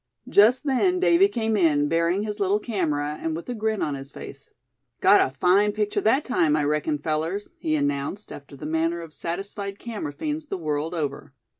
Just then Davy came in, bearing his little camera, and with a grin on his face. "Got a fine picture that time, I reckon, fellers," he announced, after the manner of satisfied camera fiends the world over.